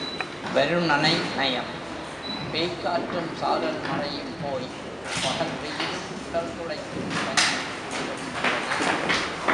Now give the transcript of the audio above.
வருணனை நயம் பேய்க்காற்றும் சாரல் மழையும் போய் பகல் வெயிலும் குடல் துளைக்கும் பனியும் குளிரும் வந்தன.